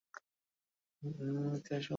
আকবরনামা একটি ইতিহাস গ্রন্থ।